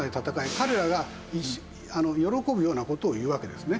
彼らが喜ぶような事を言うわけですね。